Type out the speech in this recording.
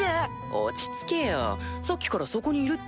落ち着けよさっきからそこにいるって。